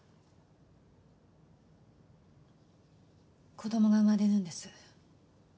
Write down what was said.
子どもが産まれるんです。